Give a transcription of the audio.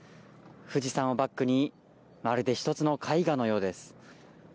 富士山をバックにまるで一つの絵画の様です。